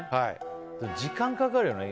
時間かかるよね。